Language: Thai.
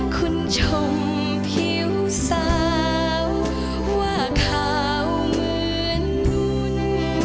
คุณชมผิวสาวว่าขาวเหมือนนุ่น